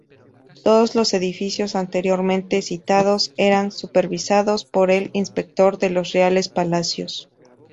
Todos los edificios anteriormente citados eran supervisados por el Inspector de los Reales Palacios.